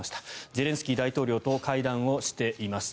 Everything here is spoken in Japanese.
ゼレンスキー大統領と会談をしています。